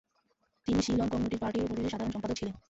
তিনি সিলন কমিউনিস্ট পার্টির প্রতিষ্ঠাতা সাধারণ সম্পাদক ছিলেন।